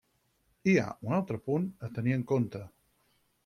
Hi ha un altre punt a tenir en compte.